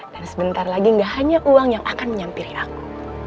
dan sebentar lagi gak hanya uang yang akan menyampiri aku